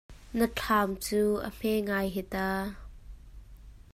Na thlam cu a hme ngai hi ta.